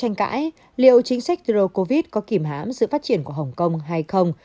tranh cãi liệu chính sách covid một mươi chín có kìm hãm sự phát triển của hồng kông hay không